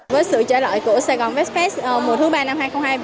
với sự trở lại của sài gòn vespes mùa thứ ba năm hai nghìn hai mươi ba